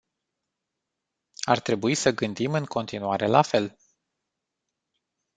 Ar trebui să gândim în continuare la fel.